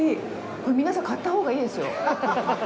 これ皆さん買ったほうがいいですよ。